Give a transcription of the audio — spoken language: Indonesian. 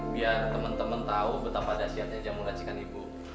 biar temen temen tau betapa dasyatnya jamu rasikan ibu